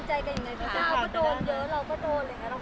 ไม่ว่าเราสตรอง